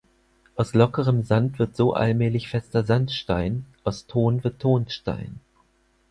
Aus lockerem Sand wird so allmählich fester Sandstein, aus Ton wird Tonstein.